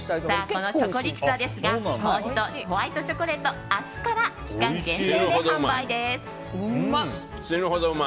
このショコリキサーですが糀とホワイトチョコレート明日から期間限定で販売です。